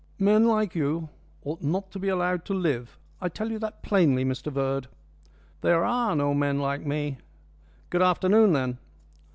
"Men like you ought not to be allowed to live. I tell you that plainly, Mr Verd." "There are no men like me. Good afternoon, then."